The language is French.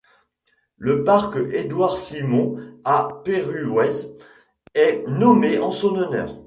Le parc Édouard-Simon à Péruwelz est nommé en son honneur.